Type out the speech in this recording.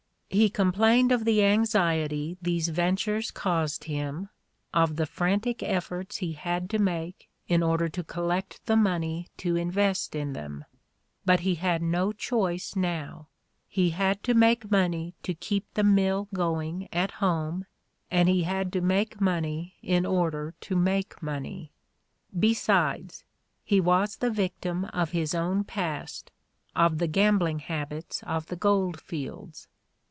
He complained of the anxiety these ventures caused him, of the frantic efforts he had to make in order to collect the money to invest in them. But he had no choice now. He had to make money to keep the mill going at home and he had to make money in order to make money; besides, he was the victim of his own past, of the gambling habits of the gold fields.